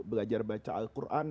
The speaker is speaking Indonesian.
belajar baca al quran